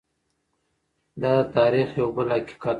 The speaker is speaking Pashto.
دا د تاریخ یو بل حقیقت دی.